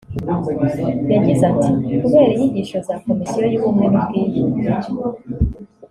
yagize ati ”kubera inyigisho za Komisiyo y’Ubumwe n’Ubwiyunge